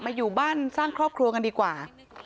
อยู่บ้านสร้างครอบครัวกันดีกว่า